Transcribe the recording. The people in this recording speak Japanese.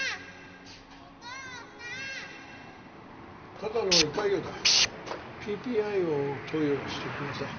ただの胃潰瘍だ ＰＰＩ を投与しておきなさい